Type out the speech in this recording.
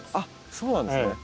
そうなんですね。